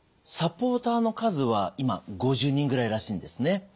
サポーターの数は今５０人ぐらいらしいんですね。